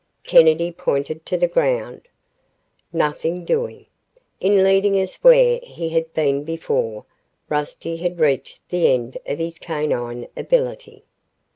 Kennedy pointed to the ground. Nothing doing. In leading us where he had been before, Rusty had reached the end of his canine ability.